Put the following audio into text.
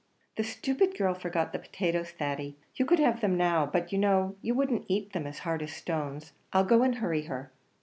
"The stupid girl forgot the potatoes, Thady. You could have them now; but you know, you wouldn't eat them as hard as stones. I'll go and hurry her."